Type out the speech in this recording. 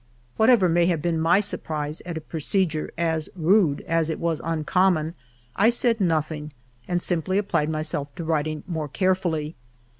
Whatever may have been m.y surprise at a procedure as rude as it v/as uncommon, I said nothing and simply applied myself to writing more carefully.